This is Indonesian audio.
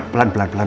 pelan pelan pelan